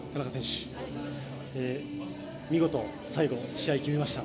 見事最後、試合、決めました。